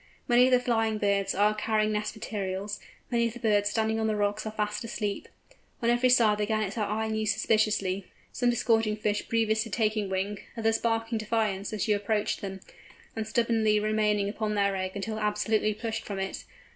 Many of the flying birds are carrying nest materials; many of the birds standing on the rocks are fast asleep! On every side the Gannets are eyeing you suspiciously, some disgorging fish previous to taking wing, others barking defiance as you approach them, and stubbornly remaining upon their egg until absolutely pushed from it.